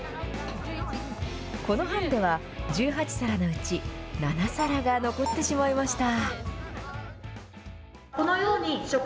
この班では、１８皿のうち、７皿が残ってしまいました。